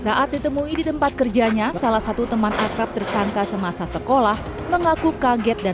saat ditemui di tempat kerjanya salah satu teman akrab tersangka semasa sekolah mengaku kaget dan